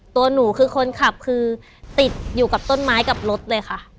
ตัวหนูคือคนขับคือติดอยู่กับต้นไม้กับรถเลยค่ะ